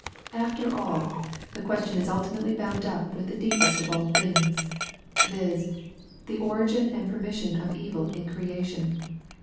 Aft^r all, the question is ultimately bound up with the deepest of all things :— viz. the origin and permission of evil in creation.